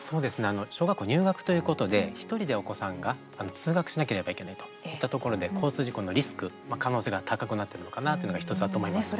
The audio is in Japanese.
小学校入学ということで１人でお子さんが通学しなければいけないといったところで交通事故のリスク可能性が高くなっているのかなというのが１つだと思います。